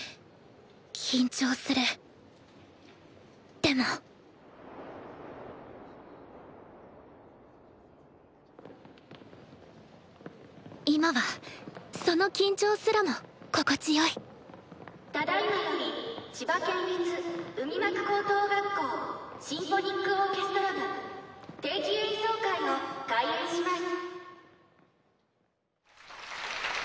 でも今はその緊張すらも心地よい「ただいまより千葉県立海幕高等学校シンフォニックオーケストラ部定期演奏会を開演します」。